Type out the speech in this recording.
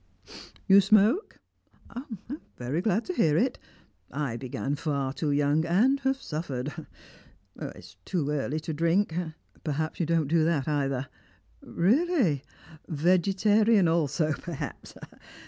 "You smoke? I am very glad to hear it. I began far too young, and have suffered. It's too early to drink and perhaps you don't do that either? Really? Vegetarian also, perhaps?